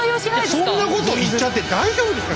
そんなこと言っちゃって大丈夫ですか？